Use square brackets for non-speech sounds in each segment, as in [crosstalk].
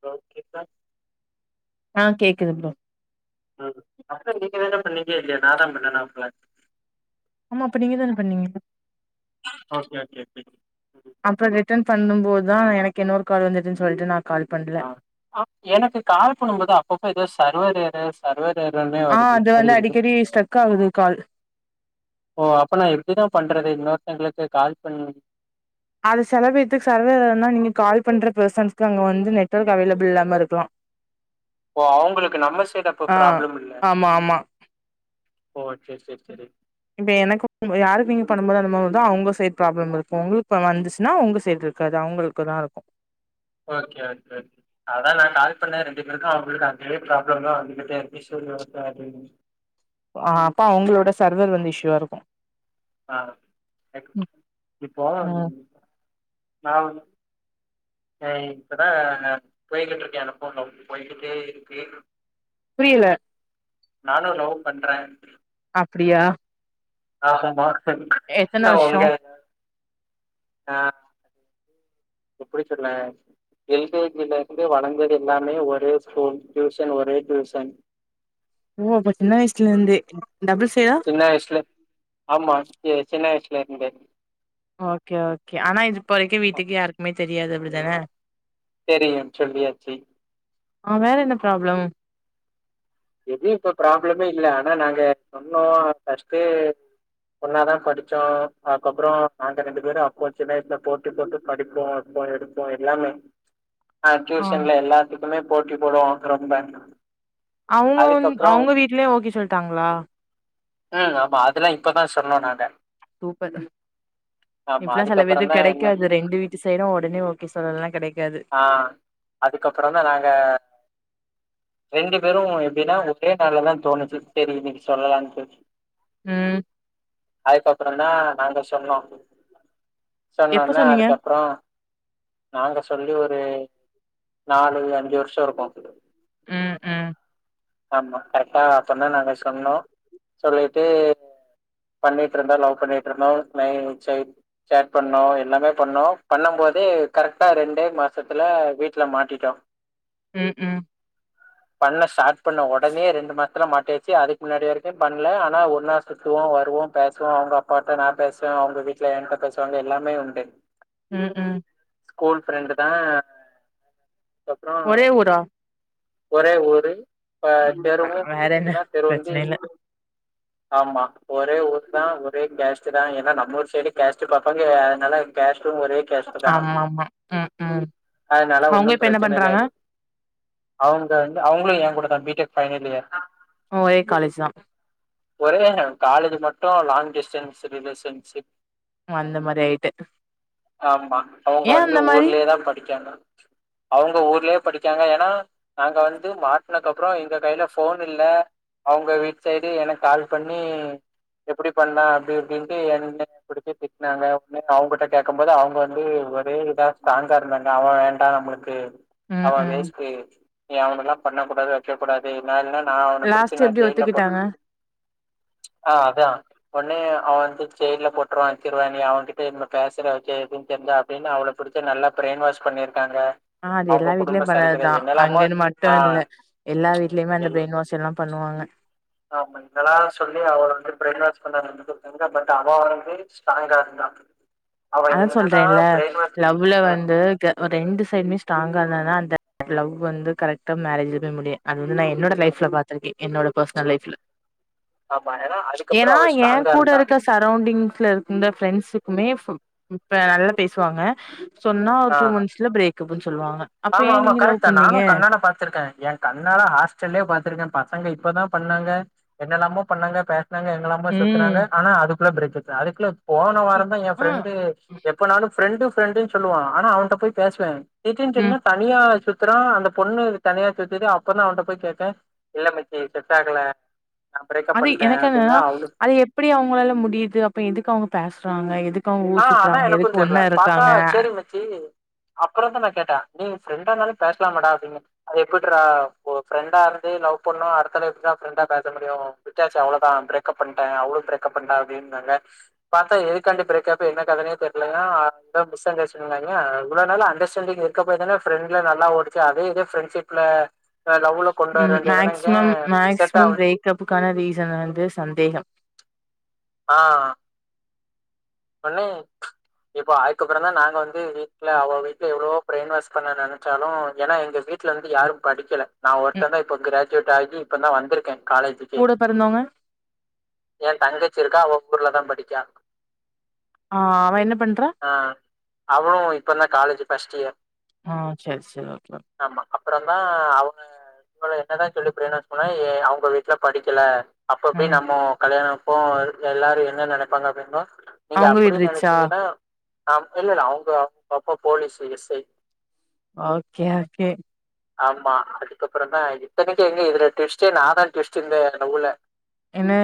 Hello கேக்குதா ஆ கேக்குது ப்ரோ அ அப்ல நீங்கதானே பண்ணீங்க இல்லயா நான்தா பண்ணனா அப்ல ஆமா அப்ப நீங்கதான பண்ணீங்க ஓகே ஓகே ஓகே ம் அப்றோ ரிட்டர்ன் பண்ணும்போதா எனக்கு இன்னொரு கால் வந்துட்டுன்னு சொல்ட்டு நா கால் பண்ல அ எனக்கு கால் பண்ணும்போது அப்பப்ப எதோ சர்வர் எரர்ஸ் சர்வர் ஏறர்னுனே ஆ வருது அது வந்து எது அடிக்கடி ஸ்ட்ரக் ஆகுது கால் ஓ அப்ப நா எப்டிதா பண்றது இன்னொருத்தங்களுக்கு கால் பண்ணி அது செலபேத்துக்கு சர்வர் எரர் நா நீங்க கால் பண்ற பெர்சன்ஸ்க்கு அங்க வந்து நெட்வொர்க் அவேலபிள் இல்லாம இருக்கலா ஓ அவுங்களுக்கு நம்ம சைட் அப்போ ஆ ப்ராப்ளம் இல்ல ஆமா ஆமா ஓ செரி செரி செரி இப்ப எனக்கு உங்க யாருக்கு நீங்க பண்ணும் போது அந்த மாரி வருதோ அவ்ங்க சைட் ப்ராப்ளம் இருக்கு உங்களுக்கு இப்ப வந்துச்சுனா ஒங்க சைட் இருக்காது அவுங்களுக் க்கு தா இருக்கு ஓகே ஓகே ஓகே அதா நா கால் பண்ணே ரெண்டு பேருக்கு அவுங்களுக்கு அதே ப்ராப்ளம் தா வந்துகிட்டே இருக்கு சோ நோ ப்ராப்ளம் ஆ அப்ப அவ்ங்களோட சர்வர் வந்து இஷ்யூவா இருக்கு ஆ இப்போ ம் நா வந்து அ இப்பதா போய்கிட்ருக்கே அந்த ஃபோன்லோ போய்கிட்டே இருக்கு புரியல நானு லவ் பண்றே அப்டியா ஆ ஹிம் மார்கெட் எத்தன ஹ வருஷோ ஒங்க ஆ எப்டி சொல்ல எல் கே ஜி ல இருந்து வளந்தது எல்லாமே ஒரே ஸ்கூல் டியூஷன் ஒரே டியூஷன் ஓ அப்ப சின்ன வயசுல இருந்தே டபுள் சைடா சின்ன வயசுலே ஆமா சி சின்ன வயசுல இருந்தே ஓகே ஓகே ஆனா இது இப்ப வரைக்கு வீட்டுக்கு யாருக்குமே தெரியாது அப்டிதானே தெரியு சொல்லியாச்சு ஆ வேற என்ன ப்ராப்ளம் எது இப்ப ப்ராப்ளமே இல்ல ஆனா நாங்க சொன்னோ ஃபஸ்ட்டு ஒன்னாதா படிச்சோ அதுக்கப்றோ நாங்க ரெண்டு பேரு அப்போ சின்ன வயசுல போட்டி போட்டு படிப்போ வப்போ எடுப்போ எல்லாமே [inaudible] ஆ டியூசன்ல எல்லாத்துக்குமே போட்டி போடுவோ ரொம்ப அவ்ங்க வந் அதுக்கப்புறோ அவ்ங்க வீட்லயு ஓகே சொல்லிட்டாங்ளா ம் ஆமா அதெல்லா இப்பதா சொன்னோ நாங்க சூப்பர் ம் ஆமா இப்லா செல பேத்துக்கு அதுக்கப்புறந்தா என்ன கெடைக்காது ரெண்டு வீட்டு சைடு ஒடனே ஓகே சொல்றதுலா கெடைக்காது அதுக்கப்றந்தா நாங்க ரெண்டு பேரு எப்டினா ஒரே நாள்ல தா தோணுச்சு செரி இன்னைக்கு சொல்லலான்ட்டு ம் அதுக்கப்றந்தா நாங்க சொன்னோ எப்ப சொன்னோன சொன்னீங்க அதுக்கப்றோ நாங்க சொல்லி ஒரு நாலு அஞ்சு வர்ஷ இருக்கு ம் ம் ஆமா கரெக்டா அப்பறந்தா நாங்க சொன்னோ சொல்லிட்டு பண்ணிட்ருந்தோ லவ் பண்ணிட்ருந்தோ நா எ சைட் சாட் பண்ணோ எல்லாமே பண்ணோ பண்ணம் போதே கரெக்டா ரெண்டே மாசத்துல வீட்ல மாட்டிட்டோ ம் ம் பண்ண ஸ்டார்ட் பண்ண ஒடனே ரெண்டு மா சத்துல மாட்டியாச்சு அதுக்கு முன்னாடி வரைக்கு பண்ல ஆனா ஒன்னா சுத்துவோ வருவோ பேசுவோ அவ்ங்க அப் ப்பாட்ட நா பேசுவே அவ்ங்க வீட்ல என்ட்ட பேசுவாங்க எல்லாமே உண்டு ம் ம் ஸ்கூல் ஃப்ரெண்ட்டு தா [inaudible] கப்றோ ஒரே ஊரா ஒரே ஊரு ஆமா தெருவு வேற என்ன இருந்துச்சுன்னா தெரு வந்து பிரச்சன இல்ல ஆமா ஒரே ஊர் தா ஒரே கேஸ்ட்டு தா ஏன்னா நம்ம ஊர் சைட் கேஸ்ட் பாப்பாங்க அதனால கேஸ்ட்டு ஒரே கேஸ்ட்டுதா ஆமா ஆமா ம் ம் அதனால அவுங்க ஒன்னு இப்ப என்ன பிரச்சன இல்ல பண்றாங்க அவங்க வந்து அவங்களு ஏ கூட தா பி டெக் பைனல் இயர் ஒரே காலேஜ் தா ஒரே காலேஜ் மட்டு லாங் டிஸ்டன்ஸ் ரிலேஷன்ஷிப் அந்த மாரி ஆயிட்டு ஆமா அவங்க ஏ வந்து அந்த மாரி ஊர்லயே தா படிக்காங்க அவங்க ஊர்லயே படிக்காங்க ஏன்னா நாங்க வந்து மா ட்னக்கப்பறோ எங்க கைல ஃபோன் இல்ல அவங்க வீட் சைடு எனக்கு கால் பண்ணி எப்டி பண்ண அப்டி இப்டின்ட்டு என்ன புடிச்சி திட்னாங்க ஒடனே அவங்கட்ட கேட்கும் போது அவங்க வந்து ஒரே இதா ஸ்ட்ராங்கா இருந்தாங்க அவே வேண்டா நம்மளுக் கு ம் அவே ம் வேஸ்ட் நீ அவனல்லா பண்ணக்கூடாது அப் செய்ய கூடாது நா இல்லனா நா அவன புடிச்சி லாஸ்ட் நா எப்டி ஜெயில்ல போட்டு ஒத்துக்கிட்டாங்க [inaudible] ஆ அதா ஒன்னே அவ வந்து ஜெயில்ல போட்டுருவா அடிச்சிருவே நீ அவங்கிட்ட எதுமே பேசுற வக்கிற எதுவு தெரிஞ்சா அப்டின்னு அவள புடிச்சி நல்லா பிரைன் வாஷ் பண்ணிருக்காங்க ஆ அது எல்லா அவங்க வீட்லயு குடும்ப சரிகதை பண்றதுதா என்னெல்லாமோ அங்கன்னு மட் டு ஆ இல்ல எல்லா வீட்லயுமே அந்த எல் பிரைன் வாஷ் எல்லா பண்ணுவாங்க ஆமா இதெல்லா சொல்லி அவள வந்து பிரைன் வாஷ் பண்ணாங்கன்னு குடுத்தாங்க பட் அவா வந்து ஸ்ட்ராங்கா இருந்தா அவ அதா என்னதா சொல்றேன்ல பிரெயின் வாஷ் லவ்வுல ம் வந்து ஒரு ரெண்டு சைடுமே ஸ்ட்ராங்கா இருந்தாதா அந்த லவ் வந்து கரெக்டா மேரேஜ்ல போய் முடியு அது வந்து நா என்னோட ம் லைஃப்ல பாத்துருக்கே என்னோட பர்சனல் லைஃப்ல ஆமா ஏன்னா அதுக்கப்பறோ அவ ஸ்ட்ராங்கா இருந்தா சரவுண்டிங்ஸ்ல இருந்த ஃப்ரெண்ட்ஸுக்குமே இப்ப நல்லா பேசுவாங்க சொன்னா ஒரு ஆ டூ மந்த்ஸ்ல பிரேக் அப்புன்னு சொல்வாங்க ஆமா ஆமா கரெக்ட்தா நானு கண்ணால பாத்துருக்கே ஏ கண்ணால ஹாஸ்டல்லயே பா்த்துருக்கே பசங்க இப்பதா பண்ணாங்க என்னெல்லாமோ பண்ணாங்க பேசனாங்க எங்கெல்லாமோ சும்மா ம் சுத்துனாங்க ஆனா அதுக்குள்ள பிரேக் அப்தா அதுக்குள்ள போன இ வாரந்தா ஏ ஆ ஃப்ரெண்டு எப்பனாலு ஃப்ரெண்டு் ஃப்ரெண்டுன்னு சொல்லுவா ஆனா அவன்ட்ட போய் பேசுவே எதுக்குன் ம் சொன்னா தனியா சுத்துறா அந்த பொண்ணு தனியா சுத்துது அப்பதா அவன்ட்ட போய் கேட்டே இல்ல மச்சி செட் ஆகல நான் பிரேக்கப் அது பண்ணிட்டேன் எனக்கு என்னன்னா அப்படின்னா அவளு அது எப்டி அவங்களால முடியுது அப்ப எதுக்கு அவங்க பேசுறாங்க எதுக் ஆ அதா எனக்கு தெர்ல பாத்தா சேரி மச்சி அப்பறந்தா நா கேட்டே நீ ஃப்ரெண்டானாலு பேசலாமேடா அப்டின்னு அது எப்டிர்றா ஒரு ஃப்ரெண்டா இருந்து லவ் பண்ணோ அடுத்தால எப்டிர்றா ஃப்ரெண்டா பேச முடியு விட்டாச்சி அவ்வளதா பிரேப் பண்ணிட்டே அவளு பிரேக்கப் பண்ணிட்டா அப்டினாங்க பாத்தா எதுக்காண்டி பிரேக்ப் அப் என்ன காதனே தெரியலங்க அண்டர் மிஸ் அண்டர்ஸ்டாண்டிங்னாங்க இவ்ளோ நாளா அண்டர்ஸ்டாண்டிங் இருக்க போய் தான ஃப்ரெண்ட்ல நல்லா ஓடு ச்சி அதே இத பிரெண்ட்ஷிப்ல ஆ லவ்ல கொண்டு வர வேண்டியதான ஏ செட் ஆவல பிரேக் அப்புக்கான ரீசன் வந்து சந்தேகம் ஆ ஒன்னே இப்போ அதுக்கப்றந்தா நாங்க வந்து வீட்ல அவ வீட்டு எவ்ளோ பிரைன் வாஷ் பண்ண நெனச்சாலு எனா எங்க வீட் ட்லந்து யாரும் படிக்கல நா ம் ஒருத்தந்தா இப்போ கிராஜுவேட்டு ஆயிட்டு இப்பந்தா வந்திருக்கே காலேஜுக்கே கூட பிறந்தவங்க ஏந் தங்கச்சி இருக்கா அவ ஊர்லதா படிக்கா ஆ அவ என்ன பண்றா ஆ அவோ இப்பந்தா காலேஜ் ஃபர்ஸ்ட் இயர் ஆ செரி செரி ஓகே பேம் ஆமா அப்பறந்தா அவுங்க உங்கள என்னதாந் சொல்லி பிரைன் வாஷ் சொனை அவுங்க வீட்ல படிக்கல அப்பப்பய் ம் நம்மோ கல்யாணம்ப்போ இதுக் எல்லாரு என்ன நெனைப்பாங்க அப்டின்னு நீங்க அவங்க அப்டி வீடு ரிச்சா நெனச்சீங்கன்னா அம் இல்ல இல்ல அவுங்க அப்பப்ப police S I okay okay ஆமா அதுக்கப்பறந்தா இத்தனைக்கு எங்க இதுல ட்விஸ்ட்டே நாதா ட்விஸ்ட்டு இந்த ஊல என்னே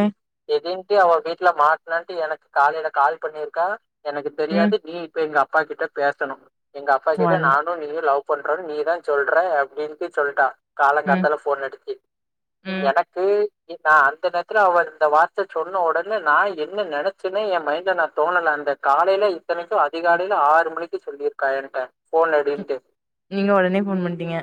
திடீன்ட்டு அவ வீட்ல மாட்லன்ட்டு எனக்கு காலைல கால் பண்ணிருக்கா எனக்கு ம் தெரியாது நீட் இப்ப எங்கப்பா கிட்ட பேசணு எங்க அப்பா கிட்ட வந்த நானு நீயும் லவ் பண்றன் நீதாஞ் சொல்ற அப்டின்ட்டு சொல்ட்டா ம் காலங்காத்தால ஃபோனடுச்சி ம் எனக் குய் இ நா அந்த நேரத்துல அவ இந்த வார்த்த சொன்ன ஒடனே நா என்ன நெனச்சன்னே எம் மைன் இல்ல நாத் தோணல அந்தக் காலைல இத்தனைக்கு அதிகாலைல ஆறு மணிக்கு சொல்லிருக்கா ஏன்ட்ட ம். போனடின்ட்டு நீங்க ஒடனே ஃபோன் பண்ட்டீங்க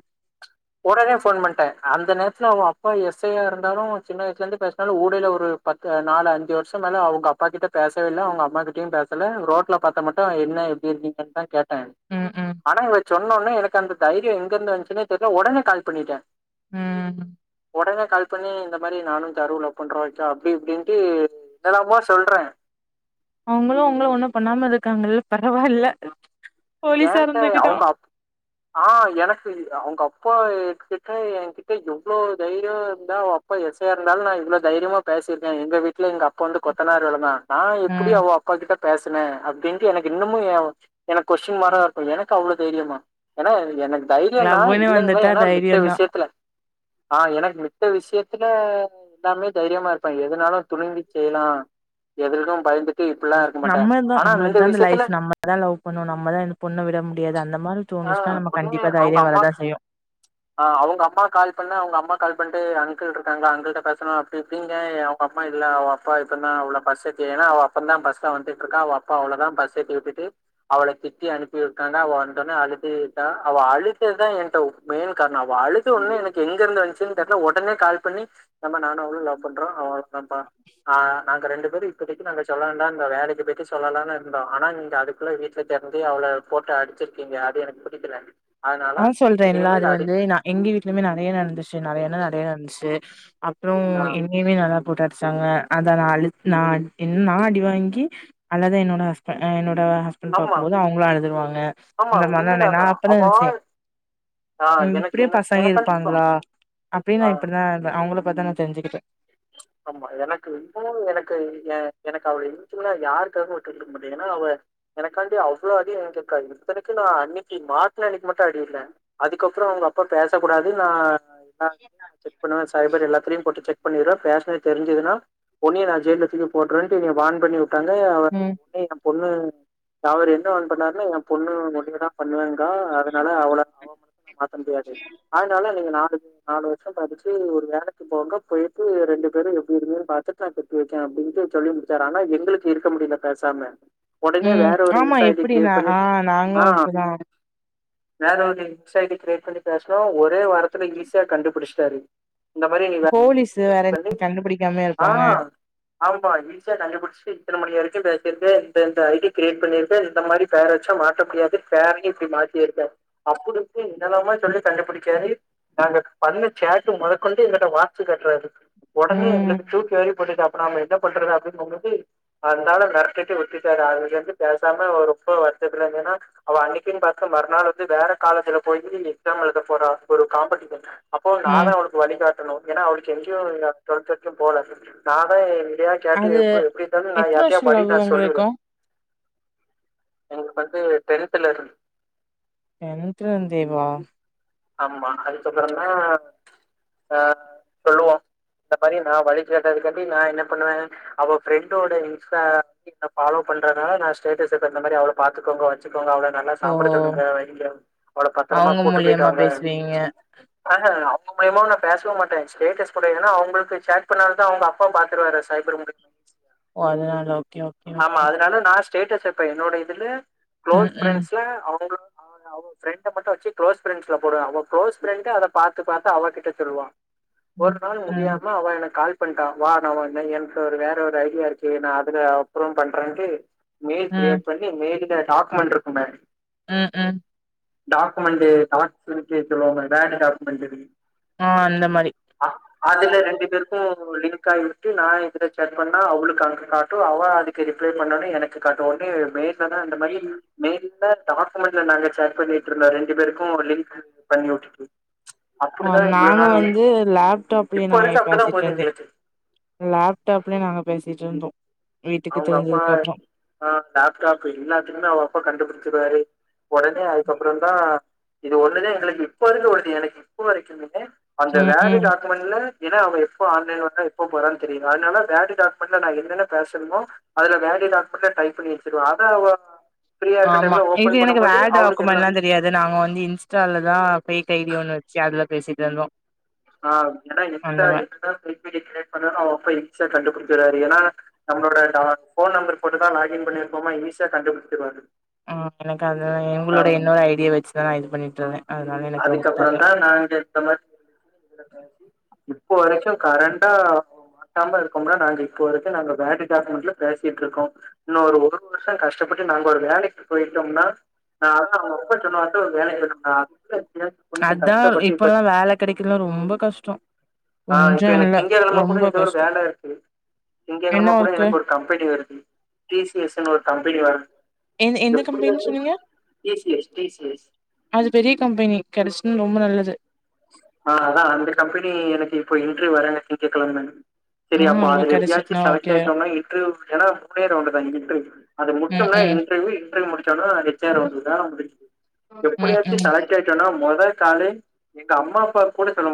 ஒடனே ஃபோன் பண்ட்டே அந்த நேரத்துல அவ அப்பா எஸ் ஐயா இருந்தாலு சின்ன வயசுலந்து பேச்னாலு ஊடைல ஒரு பத்து நாலு அஞ்சு வருஷம் மேல அவுங்க அப்பா கிட்ட பேசவே இல்ல அவுங் இப்ப அம்மா கிட்டியும் பேசல ரோட்ல பாத்த மட்டு என்ன எப்டி இருந்தீங்கன்தா கேட்டே ம் ம் ஆனா இவ சொன்னோனே எனக்கு அந்த தைரியோ எங்க வன்ச்சுனே தெரில ஒடனே கால் பண்ணிட்டே ம் ஒடனே கால் பண்ணி இந்த மாரி நானுந் தருவு லவ் பண்றோ வைக்கா அப்டி இப்டின்ட்டு என்னலாமோ சொல்றே அவுங்களு ஒங்கள ஒன்னும் பண்ணாம இருக்காங்கல்ல பரவால்ல போலீஸா ஏன்ட்ட இருந்துகிட்டோ அவுங்க அப் ஆ எனக்கு அவுங்க அப்பா கிட்ட எங்கிட்ட எவ்ளோ தைரியோ இருந்தா அவப் அப்பா எஸ் ஐயா இருந்தாலு நா இவ்வளோ தைரியமா பேசிருக்கே எங்க வீட்ல எங்கப்பா வந்து கொத்தனார் வேலதா நா எப்புடி ம் அவ அப்பா கிட்ட பேசனே அப்டின்ட்டு எனக்கு இன்னமு ஏ அவ கொஸ்டின் மாரா இருக்கு எனக்கு அவ்ளோ தைரியமா ஏனா எனக்கு தைரியந்தா லவ்வுன்னு இல்லங்கல வந்துட்டா ஏனா மித்த தைரியந்தா விஷ்யத்துல ஆ எனக்கு மித்த விஷ்யத்துல எல்லாமே தைரியமா இருப்பே எதனாலு துணுங்கி செய்லா எதுலியும் பயிந்துட் ட்டு இப்புல்லா இருக்க மாட்டே ஆனா இந்த விஷ்யத்துல அதா லவ் பண்ணு நம்மதா இந்த பொண்ண விடம் முடியாது அந்த மாரி ஆ தோணுச்னா நம்ம உடனே கண்டிப்பா அவங்க தைரியோ அம்மா வரதா செய்யு ஆ அவுங்க அம்மா கால் பண்ண அவுங்க அம்மா கால் பண்ட்டு அங்கிள் ருக்காங்லா அங்கிள்ட்ட பேசணு அப்டி இப்டிங்கே ஏ அம்மா இல்ல அவ அப்பா இப்பந்தா அவள பஸ் ஏத்தி ஏனா அவ அப்பந்தா பஸ்ல வந்துட்ருக்கா அவ அப்பா அவளதா பஸ் ஏத்தி விட்டுட்டு அவள திட்டி அனுப்பி இருக்காங்க அவ வந்தோனே அழுதுட்டா அவ அழுதததா என்ட்டவோ மெயின் கார்ணோ அவ அழுத ஒன்னே எனக்கு எங்க இருந்து வன்ச்சு சுன் தெர்ல ஒடனே கால் பண்ணி இந்த மே நானு அவ்ளு லவ் பண்றோ அவ இன்னோன்பா ஆ நாங்க ரெண்டு பேரு இப்பொதைக்கு நாங்க சொல்ல வேண்டாந்தோ வேலைக்குப் போய்ட்டு சொல்லலானு இருந்தோ ஆனா இங்க அதுக்குள்ள வீட்டுக் இப்டி தெறந்து அவள போட்டு அடிச்சிருக்கீங்க அது எனக்கு புடிக்கல ஆ சொல்றேன்ல்லா அது வந்து நா எங்க வீட்லயுமே நெறைய நடந்துச்சு நெறையானா நெறைய நடந்துச்சு அப்றோ ஆ எ ன்னையுமே நல்லா போட்டு அடிச்சாங்க அத நா அழு நா இன் நா அடி வாங்கி அல்லது என்னோட ஹஸ்பெண் அ என்னோட ஹஸ் பெண்ட் ஆமா பாக்கும்போது அவங்களு அழுதுருவாங்க ஆமா அந்த மாரில ந நா உண்மையாதா அப்பதா அவ நெனச்சே ஆ ம் எனக்கு இப்டியு எனக்கு பசங்க எனக்காண்டி இருப்பாங்களா அப்டின்னு நா ஆ இப்டித்தா அவுங்கள பாத்தா நா தெரிஞ்சுக்கிட்டே ஆமா எனக்கு இன்னு எனக்கு ஏ எனக்கு அவள இச்சுனா யாருக்காகவு விட்டு குடுக்கமாட்டே ஏனா அவ எனக்காண்டி அவ்ளோ அடி வாங்கியிருக்கா இத்தனைக்கு நா அன்னைக்கி மாட்ன அன்னைக்கி மட்டு அடி இல்ல அதுக்கப்றோ அவுங்க அப்பா பேச கூடாது நா நா செக் பண்ணுவே சைபர் எல்லாத்துலயு போட்டு செக் பண்ணிருவே பேசுனனு தெரிஞ்சதுன்னா ஒன்னைய நா ஜெயில தூக்கி போட்ருவேன்ட்டு என்னைய வான் பண்ணி வுட்டாங்க அவ ம் உன்னய நம் பொண்ணு அவரு என்ன வான் பண்ணாருனு எ பொண்ணு ஒன்னைய தா பண்ணுவாங்கா அதனால அவள அவ மனச நா மாத்த முடியாது அதனால நீங்க நாலு [inaudible] நாலு வர்ஷோ கழிச்சு ஒரு வேலைக்கு போங்க போயி ட்டு ரெண்டு பேரு எப்டி இருங்கனு பாத்துட்டு நா கட்டி வைக்க அப்டின்ட்டு சொல்லி முடிச்சாரு ஆனா எங்களுக்கு இருக்க முடியல பேசாம உடனே ம் வேற ஒரு ஆமா இன்ஸாஐடி எப்டினா கிரியேட் பண்ணி ஆ நாங்களு ஆ அப்டிதா வேற ஒரு இன்ஸாஐடி கிரியேட் பண்ணி பேசுனோ ஒரே வாரத்துல ஈஸியா கண்டுபுடிச்சுட்டாரு இந்த மாரி நீ வேறொரு ஐடி போலீஸு கிரேட் வேற பண்ணி கண்டுபிடிக்காமயா ஆ இருப்பாங்க ஆமா ஈஸியா கண்டுபுடிச்சுட்டு இத்தன மணி வரைக்கு பேசிருக்க இந்த இந்த ஐடி கிரியேட் பண்ணிருக்க இந்த மாரி பெயர் வச்சா மாத்த முடியாது பேரையு இப்டி மாத்தி இருக்க அப்டி இப்டி என்னல்லாமோ சொல்லி சண்டப்புடுச்சாரு நாங்க பண்ண சேட்டு முதக்கொண்டு எங்கட்ட வாச்சு காட்றாரு உடனே ம் எங்களுக்கு ப்ரூப் வேற போட்டுட்டோ அப்ப நாம என்ன பண்றது அப்டினு [unintelligible] அந்தால மிரட்டிட்டு விட்டுட்டாரு அதுலந்து பேசாம ஒரு ரொம்ப வருத்ததுல இருந்தேனா அவ அன்னைக்கினு பாத் க்கு மறுநாள் வந்து வேற காலேஜ்ல போய் எக்ஸாம் எழுத போற ஒரு காம்படிஷன் அப்போ ம் நாதா அவளு க்கு வழிகாட்டணு ஏனா அவளுக்கு எங்கயு டொல்த்து எக்ஸாம் போல நாதா விளையாட் காட்டி அது எப்ப எப்டி இருந்தாலு நா எத்தன யாருட்டையா வருஷ படினு லவ் நா சொல்லிருனு உங்களுக்கு எங்களுக்கு வந்து டென்த்துல இருந் டென்த்லருந்தேவா ஆமா அதுக்கப்றதா ஆ சொல்லுவோ இந்த மாரி நா வழிச்சு வந்ததுக் காண்டி நா என்ன பண்ணுவே அவ ஃப்ரெண்டோட இன்ஸ்டா டா ஃபாலோ பண்றனால நா ஸ்டேட்டஸ்ச தள்ன மாரி அவள பாத்துக்கோங்க வச்சுக்கோங்க அவள நல்லா ஓ சாப்ட சொல்லுங்க வைங்க அவள பத்திரமா அவங்க கூட்டு போயிட்டு மூலியமா வாங்க பேசுவீங்க ஆஹ அவுங்க மூலியமா நா பேச மாட்டே ஸ்டேட்டஸ் கூட ஏனா அவுங்களுக்கு சாட் பண்ணால தா அவுங்க அப் ப்பா பாத்துருவாரு சைபர் மூலியமா ஓ அதனால ஓகே ஓகே ஆமா ஓகே அதனால நா ஸ்டேட்டஸ் வப்பே என்னோட இதுல ம் க்ளோஸ் ம் ஃப்ரெண்ட்ஸ்ல அவுங்கள அவுங்க ஃப்ரெண்ட மட்டு வச்சு க்ளோஸ் ப்ரெண்ட்ஸ்ல போடுவே அவ குளோஸ்ஃரெண்ட்டு அத பாத்து பாத்து அவ கிட்ட சொல்லுவா ஒரு ம் நாள் ம் முடியாம அவ எனக்கு கால் பண்டா வா எனக்கு ஒரு வேற ஒரு ஐடியா இருக்கு நா அதுல அப்றோ பண்றேன்ட்டு மெயில் ம் கிரியேட் பண்ணி மெயில்ல டாக்குமெண்ட் இருக்குமே ம் ம் டாக்குமெண்டு டாட்ஸ் வச்சு எதுவோல வேடு டாக்குமெண்டரு ஆ அந்த மாரி [inaudible] அதுல ரெண்டு பேருக்கு லிங்க் ஆகிவிட்டு நா இதுல சாட் பண்ணா அவளுக்கு அங்க காட்டு அவ அது கு ரிப்ளே பண்ணாலு எனக்கு காட்டு ஒட்னே இவ மே [unintelligible] அந்த மாரி மே வீட்ல டாக்குமண்ட்டுல நாங்க சாட் பண்ணிட்டு இருந்தோ ரெண்டு பேரு [unintelligible] பெங்ளூர் ட்ரிப்பு நாங்க வந்து லேப்டாப்லயு இப்ப நா ஏ வரைக்கும் அப்டிதான் பேசிட்டு போது இருந்தே எங்களுக்கு. லேப்டாப்லயு நாங்க பேசிட்டு இருந்தோ வீட்டுக்கு அவ்ங்க அப்பா தெரிஞ்சதுக்கு அப்றோ ஆ லேப்டாப் எல்லாத்துலயுமே அவ அப்பா கண்டுபுடுச்சுடுவாரு ஒடனே அதுக்கப்பறந் தா இது ஒண்ணுதா எங்களுக்கு இப்ப வரைக்கு ஓடுது எனக்கு இப்ப வரைக்கிளுமு அந்த ம் வேடு ம் டா க்குமண்ட்ல ஏனா அவ எப்போ ஆன்லைன் வர்ரா எப்ப போறானு தெரிது அதுனால வேர்டு டாக்குமண்ட்ல நா என்னன்ன பேச னுமோ அதுல வேர்டு டாக்குமண்ட்ல டைப் பண்ணி வச்சிருவே அத அவ ஃப்ரீயா இருக்க ஆமா டைம்ல இது ஓபன் எனக்கு பண்ணும்போது வேர்டு அவளுக்கு எல்லாம் டாக்குமண்ட்ல அது தெரியாது நாங்க வந்து இன்ஸ்டாலதா ஃபேக் ஐ டி ஒன்னு வச்சு அதுல பேசிட்டு இருந்தோ ஆ ஏனா அந்த இன்ஸ்டா மா என்னதா ஃபேக் ஐ டி கிரியேட் பண்ணாலு அவ அப்பா ஈஸியா கண்டுபுடிச்சுற்றாரு ஏனா நம்மளோட டா ஃபோன் நம்பர் போட்டுதா லாக்இன் பண்ணி வப்பபா ஈஸியா கண்டுபுடுச்சுற்வாரு அ எனக்கு அது எங்களோட இன்னொரு ஐ டிய வச்சுதா நா இது பண்ணிட்ருந்தே அதுக்கப்பறந் தா நாங்க இந்த மாரி இப்ப வரைக்கு கரண்டா மாட்டாம இருக்கோம்னா நாங்க இப்போ வரைக்கு நாங்க வேர்டு டாக்குமண்ட்ல பேசிட்டு இருக்கோ இன்னோ ஒரு ஒரு வருஷோ கஷ்டப்பட்டு நாங்க ஒரு வேலைக்கு போய்ட்டோம்னா நா அதா அவுங்க அப்பா சொன்னவாட்டு ஒரு வேலைக்கு போய்டனா அதா இப்பல்லா வேல கெடைக்கறல்லா ரொம்ப கஷ்டோ ஆ இப்ப கொஞ்சோ எனக்கு இல்ல திங்க கெழம கூட ரொம்ப ஏதோ ஒரு கஷ்டோ வேல இருக்கு என்ன திங்ககெழம கூட ஒர்க்கு எனக்கு ஒரு கம்பனி வருது டி சி எஸ் னு ஒரு கம்பனி வரு எந் எந்த கம்பெனின்னு எப்டியாச்சு சொன்னீங்க T C S T C S அது பெரிய கம்பனி கெடச்சுஸ்னா ரொம்ப நல்லது ஆ அதா அந்த கம்பனி எனக்கு இப்போ இன்ட்ரிவ் வர திங்ககெழம எனக்கு ஆ சரி அப்ப அதுல எப்டியாச்சு கெடச்சிட்னா ஓகே செலக்ட்டாயிட்டோம்னா இன்டர்வியூ ஏன்னா ஒரே ரவுண்டு தா இன்ட்ர்யூ அது ம் முடுச்சோம்னா ம் இன்டர்வியூ இன்டர்வியூ முடுச்சோனா ஹெச் ஆர் வருது வேல முடுன்ச்சு ம் எப்டியாச்சு ம் செலக்ட் ஆயிட்டோம்னா மொத காலே எங்க அம்மா அப்பாக் கூட சொல்ல